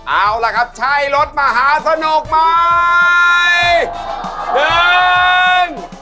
เอาล่ะครับใช่รถมหาสนุกไหม